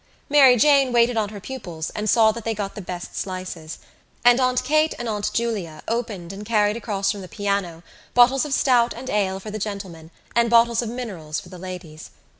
Mary Jane waited on her pupils and saw that they got the best slices and Aunt Kate and Aunt Julia opened and carried across from the piano bottles of stout and ale for the gentlemen and bottles of minerals for the ladies.